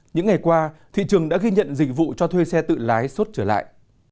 những ngày qua thị trường đã ghi nhận dịch vụ cho thuê xe tự lái suốt trở lại